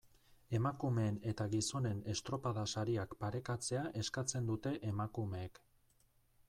Emakumeen eta gizonen estropada-sariak parekatzea eskatzen dute emakumeek.